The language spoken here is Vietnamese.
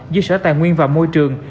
giữa sở tài nguyên và môi trường